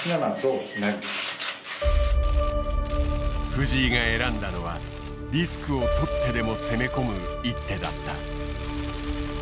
藤井が選んだのはリスクをとってでも攻め込む一手だった。